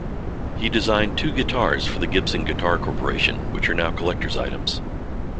He designed two guitars for the Gibson Guitar Corporation, which are now collectors' items.